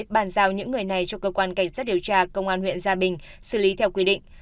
bàn giao những người này cho cơ quan cảnh sát điều tra công an huyện gia bình xử lý theo quy định